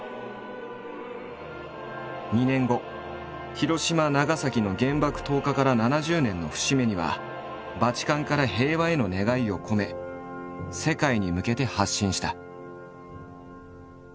２年後広島長崎の原爆投下から７０年の節目にはバチカンから平和への願いを込め世界に向けて発信した。